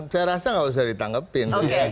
saya rasa nggak usah ditangkepin